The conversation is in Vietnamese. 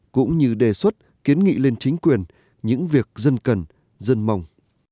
cũng như đề xuất kiến nghị lên chính quyền những việc dân cần dân mong